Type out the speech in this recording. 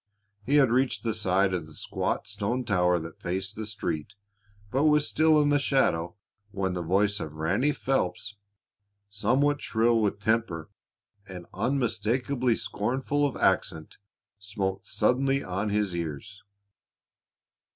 He had reached the side of the squat stone tower that faced the street, but was still in the shadow, when the voice of Ranny Phelps, somewhat shrill with temper and unmistakably scornful of accent, smote suddenly on his ears.